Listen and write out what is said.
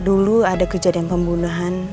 dulu ada kejadian pembunuhan